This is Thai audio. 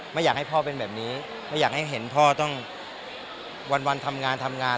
ไม่อยากให้พ่อเป็นแบบนี้ไม่อยากให้เห็นพ่อต้องวันทำงานทำงาน